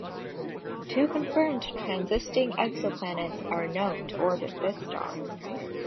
Two confirmed transiting exoplanets are known to orbit this star.